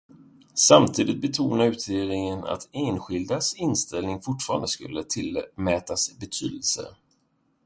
Samtidigt betonade utredningen att enskildas inställning fortfarande skulle tillmätas betydelse.